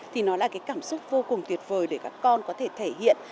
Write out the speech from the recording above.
thì nó là cái cảm xúc vô cùng tuyệt vời để các con có thể thể hiện